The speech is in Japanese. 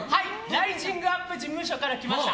ライジングアップ事務所から来ました。